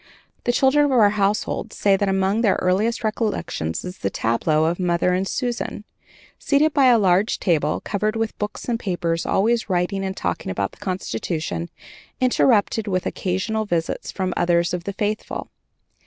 The children of our household say that among their earliest recollections is the tableau of "Mother and Susan," seated by a large table covered with books and papers, always writing and talking about the Constitution, interrupted with occasional visits from others of the faithful.